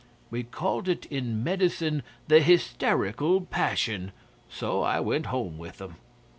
We call it in medicine the Hysterical Passion. So I went home with 'em.